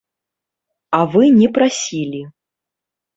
А вы не прасілі.